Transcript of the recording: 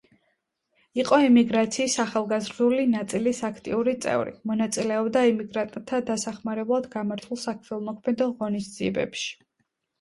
იყო ემიგრაციის ახალგაზრდული ნაწილის აქტიური წევრი, მონაწილეობდა ემიგრანტთა დასახმარებლად გამართულ საქველმოქმედო ღონისძიებებში.